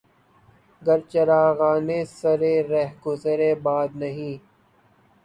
گر چراغانِ سرِ رہ گزرِ باد نہیں